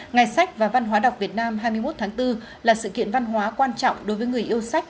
ngày sách và văn hóa đọc việt nam hai mươi một tháng bốn là sự kiện văn hóa quan trọng đối với người yêu sách